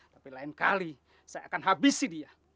tapi lain kali saya akan habisi dia